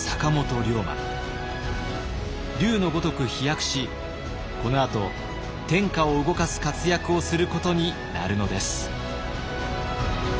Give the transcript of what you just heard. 龍のごとく飛躍しこのあと天下を動かす活躍をすることになるのです。